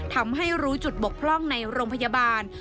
ทำให้รู้จุดบกพร่องในโรงพยาบาล